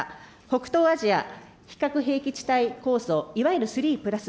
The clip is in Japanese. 北東アジア非核兵器地帯構想、いわゆる３＋３です。